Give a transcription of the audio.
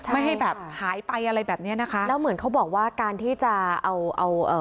ไม่ให้แบบหายไปอะไรแบบเนี้ยนะคะแล้วเหมือนเขาบอกว่าการที่จะเอาเอาเอ่อ